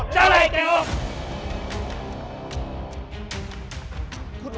จะไหล่แกออก